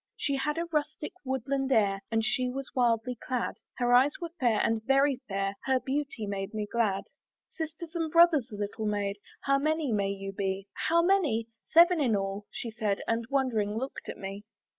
She had a rustic, woodland air, And she was wildly clad; Her eyes were fair, and very fair, Her beauty made me glad. "Sisters and brothers, little maid, "How many may you be?" "How many? seven in all," she said, And wondering looked at me.